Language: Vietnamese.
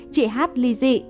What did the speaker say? chị h ly dị